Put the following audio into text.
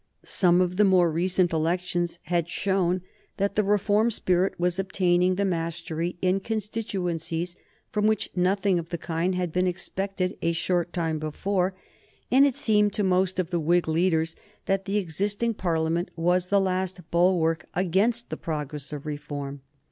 Some of the more recent elections had shown that the reform spirit was obtaining the mastery in constituencies from which nothing of the kind had been expected a short time before, and it seemed to most of the Whig leaders that the existing Parliament was the last bulwark against the progress of reform.